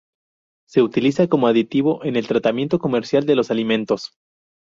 Se utiliza como aditivo en el tratamiento comercial de los alimentos.